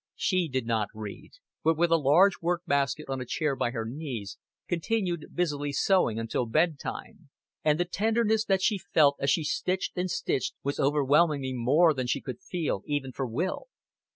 She did not read, but with a large work basket on a chair by her knees continued busily sewing until bedtime. And the tenderness that she felt as she stitched and stitched was overwhelmingly more than she could feel even for Will.